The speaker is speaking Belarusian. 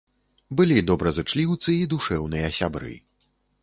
Былі добразычліўцы і душэўныя сябры.